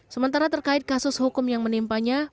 sementara terkait kasus hukum yang menimpanya